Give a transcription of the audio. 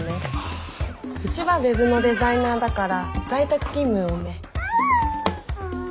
うちはウェブのデザイナーだから在宅勤務多め。